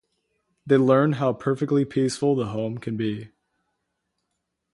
They learned how perfectly peaceful the home could be.